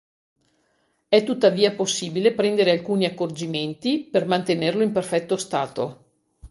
È tuttavia possibile prendere alcuni accorgimenti per mantenerlo in perfetto stato.